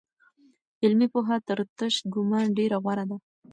علمي پوهه تر تش ګومان ډېره غوره ده.